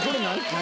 何？